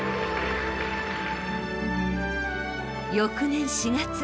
翌年４月。